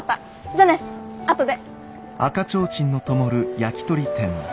じゃあねあとで。